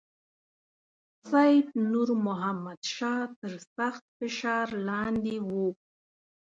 سید نور محمد شاه تر سخت فشار لاندې وو.